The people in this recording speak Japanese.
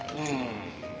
うん。